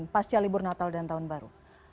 pasca libur natal dan tahun baru